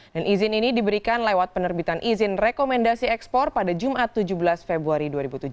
dan izin ini diberikan lewat penerbitan izin rekomendasi ekspor pada jumat tujuh belas februari dua ribu tujuh belas